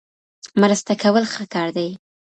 مرسته کول ښه کار دی.